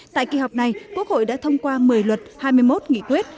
tại kỳ họp này quốc hội đã thông qua một mươi luật hai mươi một nghị quyết